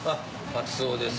カツオです。